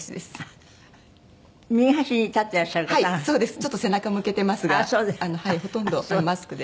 ちょっと背中向けてますがはいほとんどマスクで。